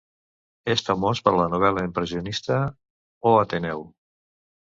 És famós per la novel·la impressionista "O Ateneu".